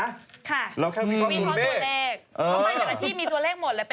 ค่ะวิเคราะห์ตัวเลขเขาไม่แต่ละที่มีตัวเลขหมดเลยเป็น